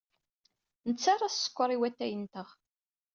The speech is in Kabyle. Nettarra sskeṛ i watay-nteɣ.